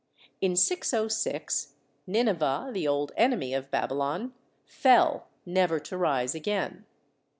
In 606, Nineveh, the old enemy of Baby lon, fell, never to rise again.